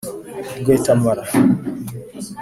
Guatemala